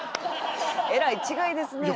えらい違いですねえ。